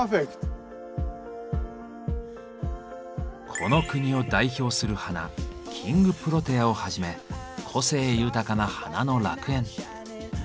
この国を代表する花「キングプロテア」をはじめ個性豊かな花の楽園。